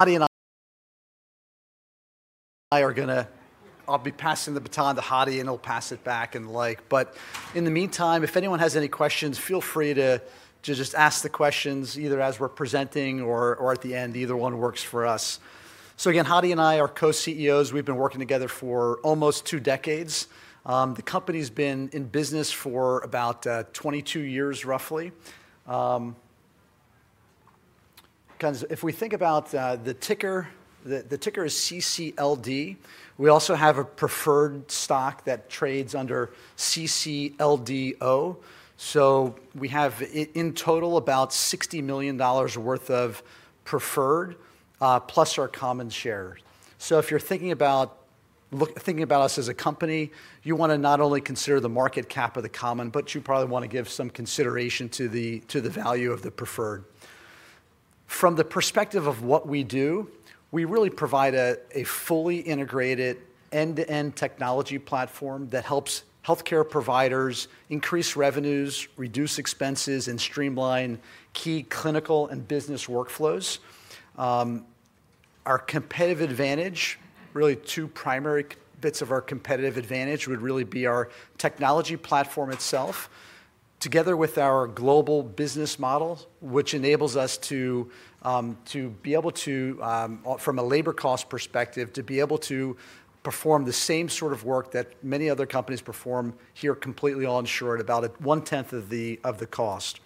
Hadi and I are going to. I'll be passing the baton to Hadi, and he'll pass it back and the like. In the meantime, if anyone has any questions, feel free to just ask the questions, either as we're presenting or at the end; either one works for us. Again, Hadi and I are co-CEOs. We've been working together for almost two decades. The company's been in business for about 22 years, roughly. If we think about the ticker, the ticker is CCLD. We also have a preferred stock that trades under CCLDO. We have, in total, about $60 million worth of preferred, plus our common share. If you're thinking about us as a company, you want to not only consider the market cap of the common, but you probably want to give some consideration to the value of the preferred. From the perspective of what we do, we really provide a fully integrated end-to-end technology platform that helps healthcare providers increase revenues, reduce expenses, and streamline key clinical and business workflows. Our competitive advantage, really two primary bits of our competitive advantage would really be our technology platform itself, together with our global business model, which enables us to be able to, from a labor cost perspective, to be able to perform the same sort of work that many other companies perform here, completely onshore at about one-tenth of the cost.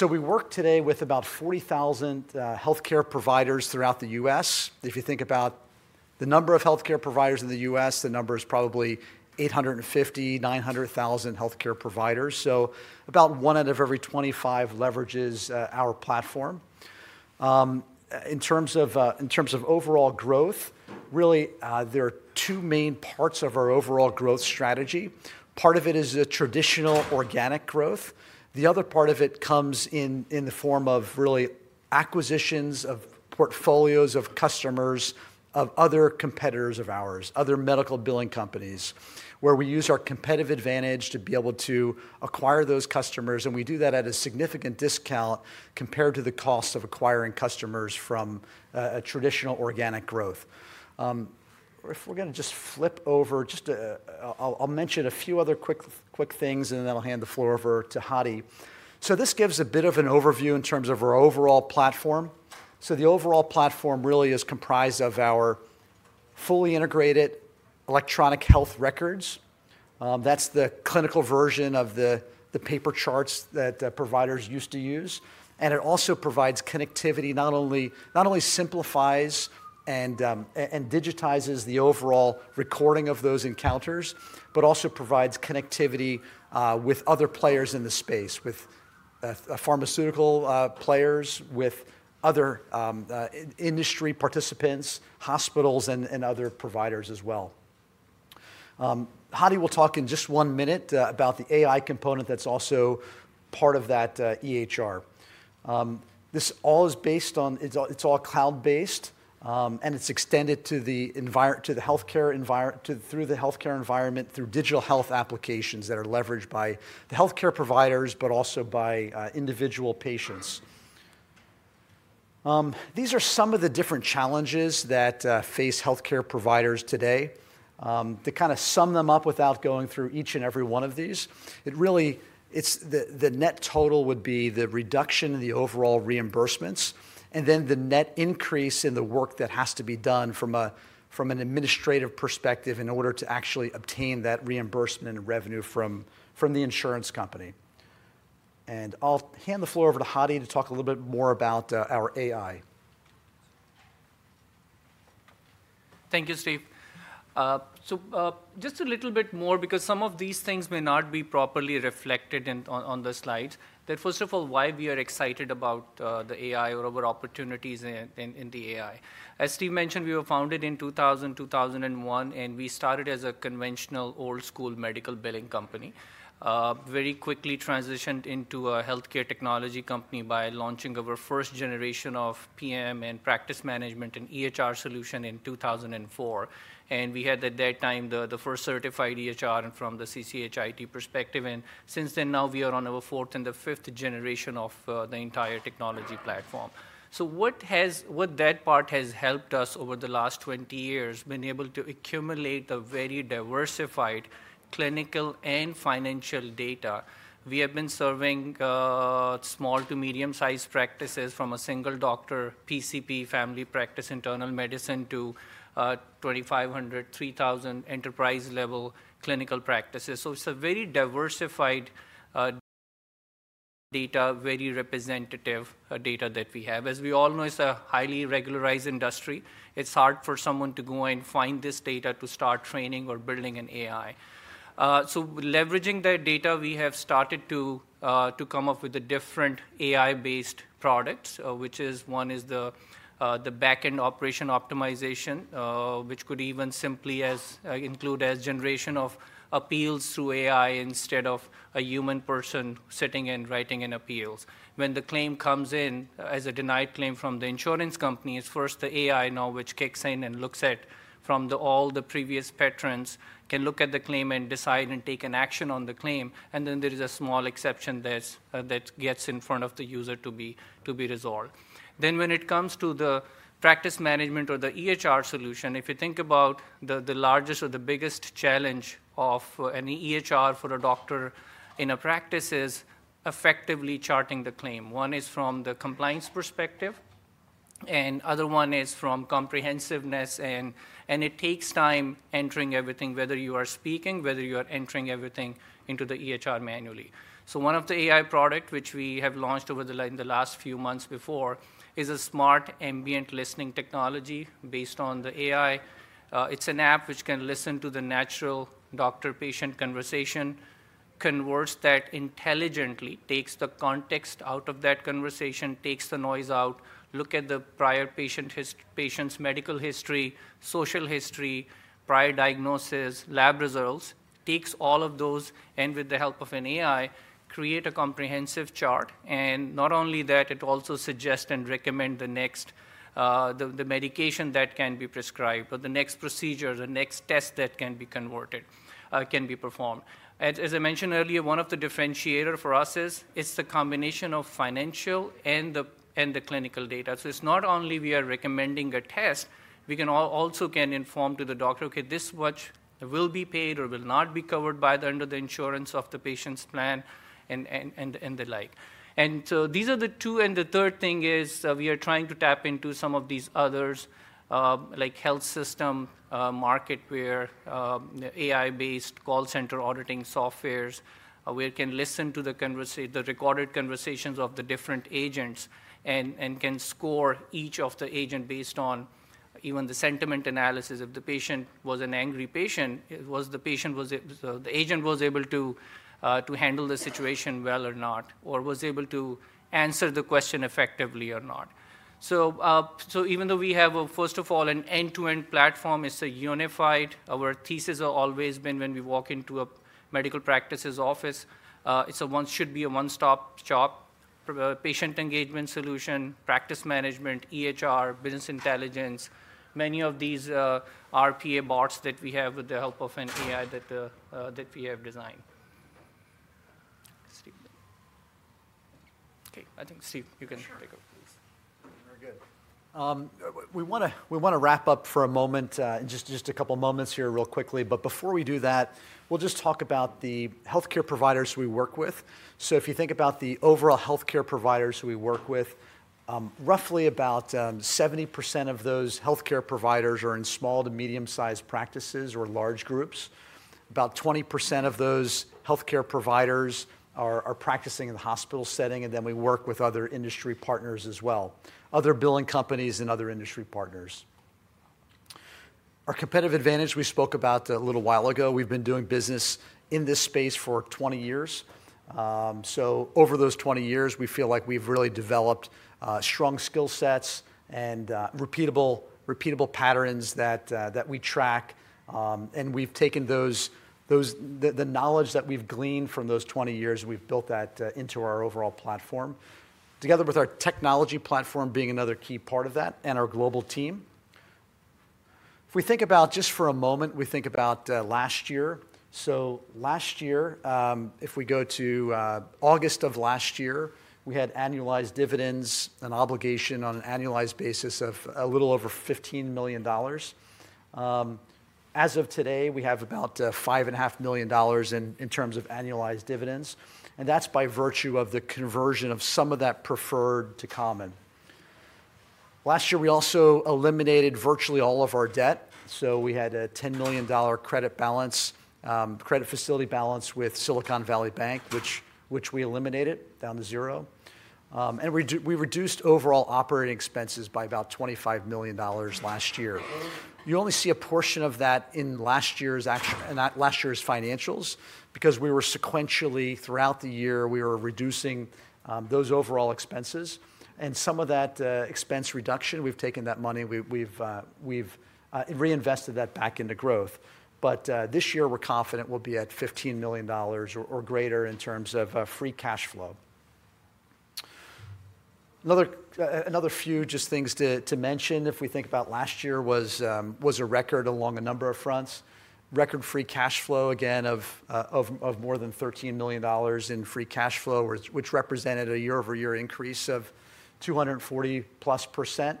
We work today with about 40,000 healthcare providers throughout the U.S. If you think about the number of healthcare providers in the U.S., the number is probably 850,000, 900,000 healthcare providers. About one out of every 25 leverages our platform. In terms of overall growth, really, there are two main parts of our overall growth strategy. Part of it is traditional organic growth. The other part of it comes in the form of really acquisitions of portfolios of customers of other competitors of ours, other medical billing companies, where we use our competitive advantage to be able to acquire those customers. We do that at a significant discount compared to the cost of acquiring customers from traditional organic growth. If we're going to just flip over, I'll mention a few other quick things, and then I'll hand the floor over to Hadi. This gives a bit of an overview in terms of our overall platform. The overall platform really is comprised of our fully integrated electronic health records. That's the clinical version of the paper charts that providers used to use. It also provides connectivity, not only simplifies and digitizes the overall recording of those encounters, but also provides connectivity with other players in the space, with pharmaceutical players, with other industry participants, hospitals, and other providers as well. Hadi will talk in just one minute about the AI component that's also part of that EHR. This all is based on, it's all cloud-based, and it's extended to the healthcare environment through digital health applications that are leveraged by the healthcare providers, but also by individual patients. These are some of the different challenges that face healthcare providers today. To kind of sum them up without going through each and every one of these, it really is the net total would be the reduction in the overall reimbursements, and then the net increase in the work that has to be done from an administrative perspective in order to actually obtain that reimbursement and revenue from the insurance company. I'll hand the floor over to Hadi to talk a little bit more about our AI. Thank you, Steve. Just a little bit more, because some of these things may not be properly reflected on the slides, that first of all, why we are excited about the AI or our opportunities in the AI. As Steve mentioned, we were founded in 2000, 2001, and we started as a conventional, old-school medical billing company. Very quickly transitioned into a healthcare technology company by launching our first generation of PM and practice management and EHR solution in 2004. We had, at that time, the first certified EHR from the CCHIT perspective. Since then, now we are on our fourth and the fifth generation of the entire technology platform. What that part has helped us over the last 20 years has been able to accumulate the very diversified clinical and financial data. We have been serving small to medium-sized practices from a single doctor, PCP, family practice, internal medicine, to 2,500-3,000 enterprise-level clinical practices. It is a very diversified data, very representative data that we have. As we all know, it is a highly regularized industry. It is hard for someone to go and find this data to start training or building an AI. Leveraging that data, we have started to come up with different AI-based products, which one is the back-end operation optimization, which could even simply include generation of appeals through AI instead of a human person sitting and writing in appeals. When the claim comes in as a denied claim from the insurance companies, first the AI now, which kicks in and looks at all the previous patterns, can look at the claim and decide and take an action on the claim. There is a small exception that gets in front of the user to be resolved. When it comes to the practice management or the EHR solution, if you think about the largest or the biggest challenge of any EHR for a doctor in a practice, it is effectively charting the claim. One is from the compliance perspective, and the other one is from comprehensiveness. It takes time entering everything, whether you are speaking, whether you are entering everything into the EHR manually. One of the AI products which we have launched over the last few months before is a smart ambient listening technology based on the AI. It's an app which can listen to the natural doctor-patient conversation, converts that intelligently, takes the context out of that conversation, takes the noise out, looks at the prior patient's medical history, social history, prior diagnosis, lab results, takes all of those, and with the help of an AI, creates a comprehensive chart. Not only that, it also suggests and recommends the medication that can be prescribed, or the next procedure, the next test that can be performed. As I mentioned earlier, one of the differentiators for us is it's the combination of financial and the clinical data. It's not only we are recommending a test, we also can inform the doctor, "Okay, this much will be paid or will not be covered under the insurance of the patient's plan," and the like. These are the two. The third thing is we are trying to tap into some of these others, like health system market, where AI-based call center auditing software, where it can listen to the recorded conversations of the different agents and can score each of the agents based on even the sentiment analysis. If the patient was an angry patient, was the patient—so the agent—was able to handle the situation well or not, or was able to answer the question effectively or not. Even though we have, first of all, an end-to-end platform, it's a unified—our thesis has always been when we walk into a medical practice's office, it should be a one-stop shop: patient engagement solution, practice management, EHR, business intelligence, many of these RPA bots that we have with the help of an AI that we have designed. Okay. I think, Steve, you can take over, please. Sure. We're good. We want to wrap up for a moment, just a couple of moments here real quickly. Before we do that, we'll just talk about the healthcare providers we work with. If you think about the overall healthcare providers we work with, roughly about 70% of those healthcare providers are in small to medium-sized practices or large groups. About 20% of those healthcare providers are practicing in the hospital setting. We work with other industry partners as well, other billing companies and other industry partners. Our competitive advantage, we spoke about a little while ago, we've been doing business in this space for 20 years. Over those 20 years, we feel like we've really developed strong skill sets and repeatable patterns that we track. We've taken the knowledge that we've gleaned from those 20 years, we've built that into our overall platform, together with our technology platform being another key part of that, and our global team. If we think about just for a moment, we think about last year. Last year, if we go to August of last year, we had annualized dividends, an obligation on an annualized basis of a little over $15 million. As of today, we have about $5.5 million in terms of annualized dividends. That's by virtue of the conversion of some of that preferred to common. Last year, we also eliminated virtually all of our debt. We had a $10 million credit facility balance with Silicon Valley Bank, which we eliminated down to zero. We reduced overall operating expenses by about $25 million last year. You only see a portion of that in last year's financials because we were sequentially throughout the year, we were reducing those overall expenses. Some of that expense reduction, we've taken that money, we've reinvested that back into growth. This year, we're confident we'll be at $15 million or greater in terms of free cash flow. Another few just things to mention, if we think about last year, was a record along a number of fronts. Record free cash flow, again, of more than $13 million in free cash flow, which represented a year-over-year increase of 240+%,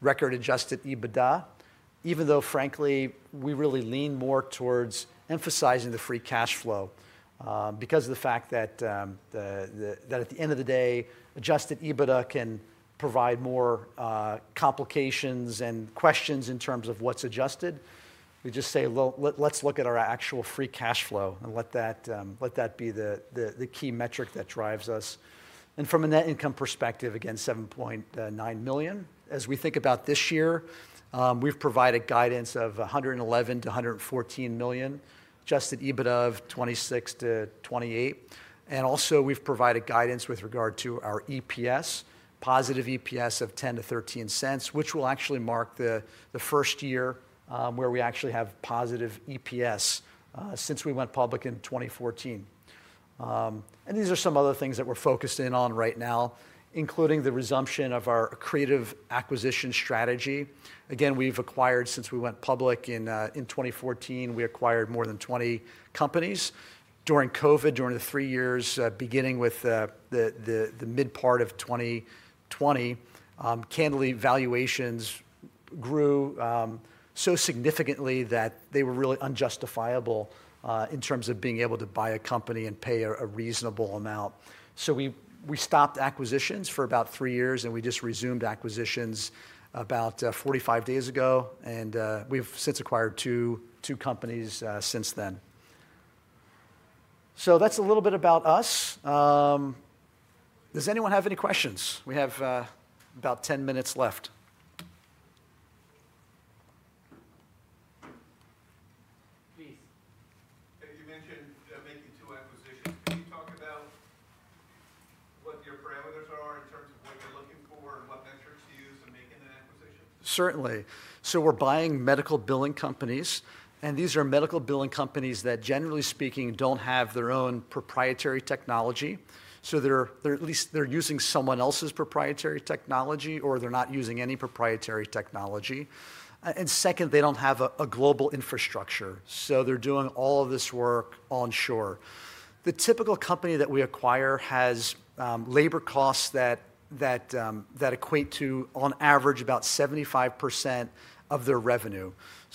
record adjusted EBITDA, even though, frankly, we really lean more towards emphasizing the free cash flow because of the fact that at the end of the day, adjusted EBITDA can provide more complications and questions in terms of what's adjusted. We just say, "Let's look at our actual free cash flow and let that be the key metric that drives us." From a net income perspective, again, $7.9 million. As we think about this year, we've provided guidance of $111-$114 million, adjusted EBITDA of $26-$28 million. Also, we've provided guidance with regard to our EPS, positive EPS of $0.10-$0.13, which will actually mark the first year where we actually have positive EPS since we went public in 2014. These are some other things that we're focused in on right now, including the resumption of our accretive acquisition strategy. Again, we've acquired, since we went public in 2014, we acquired more than 20 companies. During COVID, during the three years beginning with the mid-part of 2020, candidly, valuations grew so significantly that they were really unjustifiable in terms of being able to buy a company and pay a reasonable amount. We stopped acquisitions for about three years, and we just resumed acquisitions about 45 days ago. We have since acquired two companies since then. That is a little bit about us. Does anyone have any questions? We have about 10 minutes left. Please. You mentioned making two acquisitions. Can you talk about what your parameters are in terms of what you're looking for and what metrics you use in making that acquisition? Certainly. We are buying medical billing companies. These are medical billing companies that, generally speaking, do not have their own proprietary technology. At least they are using someone else's proprietary technology, or they are not using any proprietary technology. Second, they do not have a global infrastructure. They are doing all of this work onshore. The typical company that we acquire has labor costs that equate to, on average, about 75% of their revenue.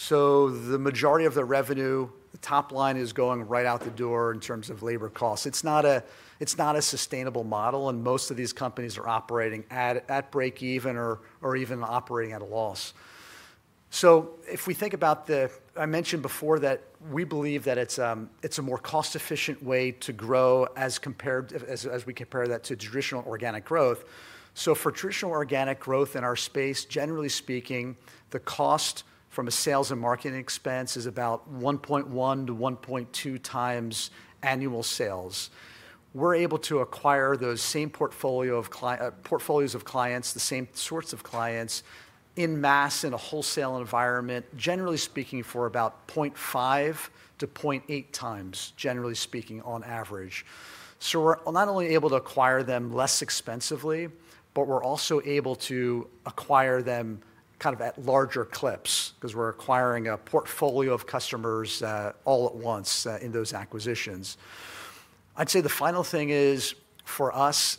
The majority of their revenue, the top line, is going right out the door in terms of labor costs. It is not a sustainable model, and most of these companies are operating at break-even or even operating at a loss. If we think about the—I mentioned before that we believe that it is a more cost-efficient way to grow as we compare that to traditional organic growth. For traditional organic growth in our space, generally speaking, the cost from a sales and marketing expense is about 1.1-1.2 times annual sales. We're able to acquire those same portfolios of clients, the same sorts of clients, in mass in a wholesale environment, generally speaking, for about 0.5-0.8 times, generally speaking, on average. We're not only able to acquire them less expensively, but we're also able to acquire them kind of at larger clips because we're acquiring a portfolio of customers all at once in those acquisitions. I'd say the final thing is, for us,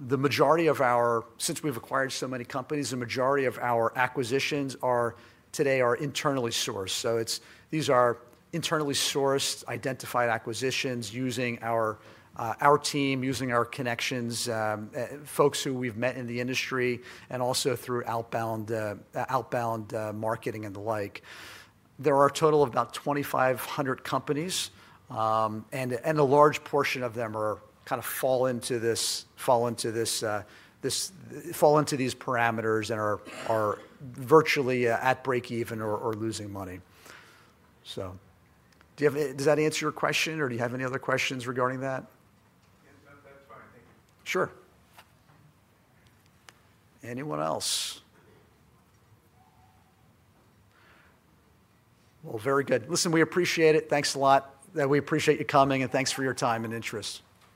the majority of our—since we've acquired so many companies, the majority of our acquisitions today are internally sourced. These are internally sourced, identified acquisitions using our team, using our connections, folks who we've met in the industry, and also through outbound marketing and the like. There are a total of about 2,500 companies, and a large portion of them kind of fall into this, fall into these parameters and are virtually at break-even or losing money. Does that answer your question, or do you have any other questions regarding that? Yes, that's fine. Thank you. Sure. Anyone else? Very good. Listen, we appreciate it. Thanks a lot. We appreciate you coming, and thanks for your time and interest.